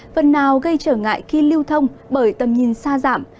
phần nào gây trở ngại khi lưu thông bởi tầm nhìn xa giảm